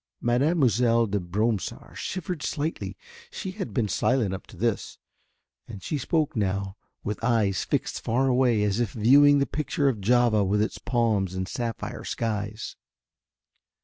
Mademoiselle de Bromsart shivered slightly. She had been silent up to this, and she spoke now with eyes fixed far away as if viewing the picture of Java with its palms and sapphire skies.